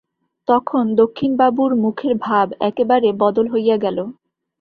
তখন দক্ষিণবাবুর মুখের ভাব একেবারে বদল হইয়া গেল।